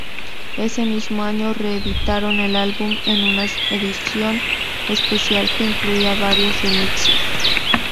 Ese mismo año reeditaron el álbum en una Edición Especial que incluía varios remixes.